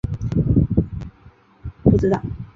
异鼷鹿科是一科已灭绝的偶蹄目。